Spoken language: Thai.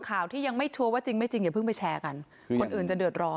ข่าวที่ยังไม่ชัวร์ว่าจริงไม่จริงอย่าเพิ่งไปแชร์กันคนอื่นจะเดือดร้อน